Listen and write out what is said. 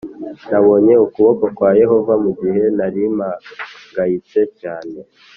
Nabonye ukuboko kwa Yehova mu gihe nari mpangayitse cyane